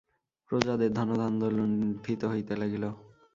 প্রজাদের ধনধান্য লুণ্ঠিত হইতে লাগিল।